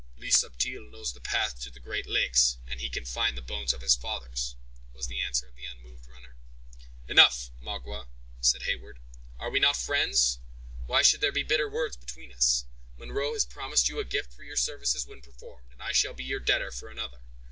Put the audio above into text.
"Le Subtil knows the path to the great lakes, and he can find the bones of his fathers," was the answer of the unmoved runner. "Enough, Magua," said Heyward; "are we not friends? Why should there be bitter words between us? Munro has promised you a gift for your services when performed, and I shall be your debtor for another.